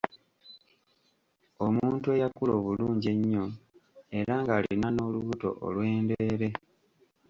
Omuntu eyakula obulungi ennyo era ng'alina n'olubuto olwendeere.